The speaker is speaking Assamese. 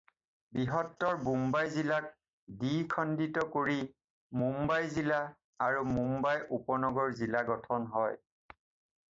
বৃহত্তৰ বোম্বাই জিলাক দ্বি-খণ্ডিত কৰি মুম্বাই জিলা আৰু মুম্বাই উপনগৰ জিলা গঠিত হয়।